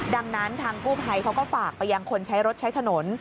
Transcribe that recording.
ดังนั้นทางกู้ภัยเขาก็ฝากไปยังคนใช้รถใช้ถนน